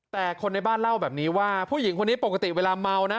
แต่คนในบ้านเล่าแบบนี้ว่าผู้หญิงคนนี้ปกติเวลาเมานะ